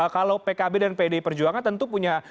kalau pkb dan pdi perjuangan tentu punya